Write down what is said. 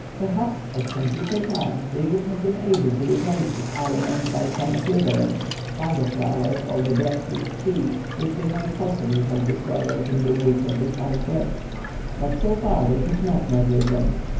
Perhaps, at some future time, they would have been able to replace this aliment by some equivalent, sago flour, or the breadfruit tree, which they might possibly have discovered in the woods of the southwest; but so far they had not met with them.